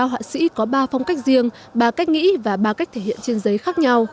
ba họa sĩ có ba phong cách riêng ba cách nghĩ và ba cách thể hiện trên giấy khác nhau